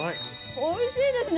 おいしいですね